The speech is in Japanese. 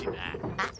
あっ。